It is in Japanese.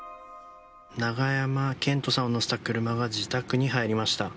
永山絢斗さんを乗せた車が自宅に入りました。